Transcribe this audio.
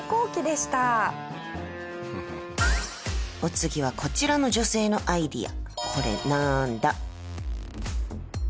お次はこちらの女性のアイデア。